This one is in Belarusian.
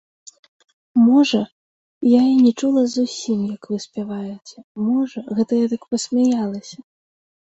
Можа, я і не чула зусім, як вы спяваеце, можа, гэта я так, пасмяялася.